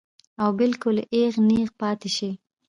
او بالکل اېغ نېغ پاتې شي -